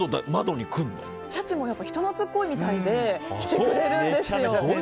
シャチも人懐っこいみたいで来てくれるんですよ。